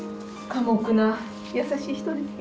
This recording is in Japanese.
寡黙な優しい人ですよ。